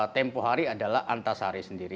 tempoh hari adalah antasari sendiri